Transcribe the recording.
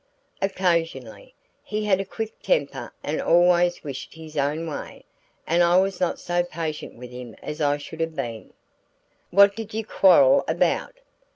"Occasionally. He had a quick temper and always wished his own way, and I was not so patient with him as I should have been." "What did you quarrel about?"